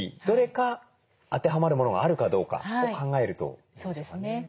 どれか当てはまるものがあるかどうかを考えるということでしょうかね？